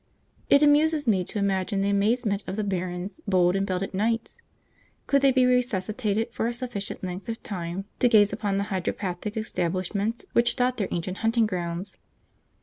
It amuses me to imagine the amazement of the barons, bold and belted knights, could they be resuscitated for a sufficient length of time to gaze upon the hydropathic establishments which dot their ancient hunting grounds.